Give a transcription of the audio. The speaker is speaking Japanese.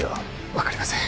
分かりません